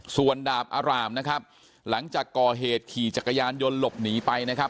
ส่วนดาบอารามนะครับหลังจากก่อเหตุขี่จักรยานยนต์หลบหนีไปนะครับ